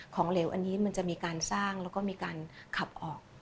เหลวอันนี้มันจะมีการสร้างแล้วก็มีการขับออก